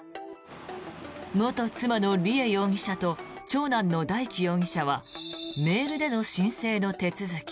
元妻の梨恵容疑者と長男の大祈容疑者はメールでの申請の手続き。